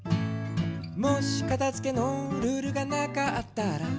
「もしかたづけのルールがなかったら？」